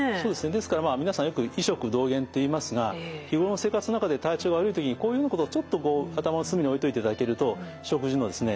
ですから皆さんよく「医食同源」っていいますが日頃の生活の中で体調悪い時にこういうようなことをちょっとこう頭の隅に置いといていただけると食事のですね